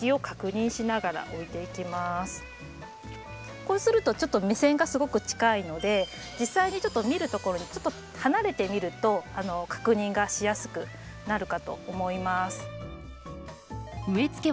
こうするとちょっと目線がすごく近いので実際に見るところでちょっと離れて見ると確認がしやすくなるかと思います。